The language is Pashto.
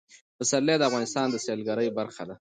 پسرلی د افغانستان د سیلګرۍ برخه ده.